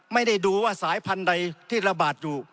ไม่ได้ดูว่าสายพันธุ์ใดที่ระบาดอยู่